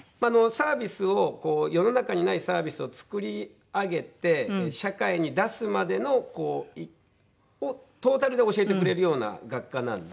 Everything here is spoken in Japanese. サービスを世の中にないサービスを作り上げて社会に出すまでをトータルで教えてくれるような学科なんで。